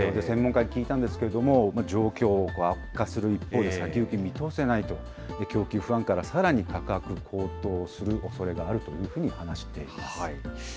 専門家に聞いたんですけれども、状況は悪化する一方で、先行き見通せないと、供給不安からさらに価格高騰するおそれがあるというふうに話しています。